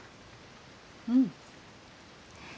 うん。